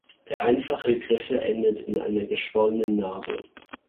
Der einfache Griffel endet in einer geschwollenen Narbe.